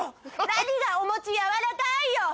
何がお餅やわらかいよ